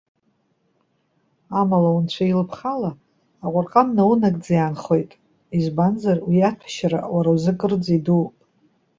Амала, унцәа илыԥха ала, Аҟәырҟан наунагӡа иаанхоит. Избанзар, уи иаҭәашьара, уара узы кырӡа идууп.